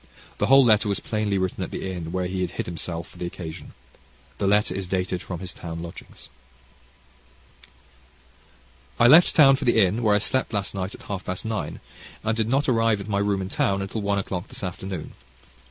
The whole letter was plainly written at the inn where he had hid himself for the occasion. The next letter is dated from his town lodgings.) I left town for the inn where I slept last night at half past nine, and did not arrive at my room in town until one o'clock this afternoon.